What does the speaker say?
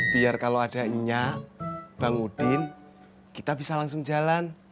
biar kalau ada nya bang udin kita bisa langsung jalan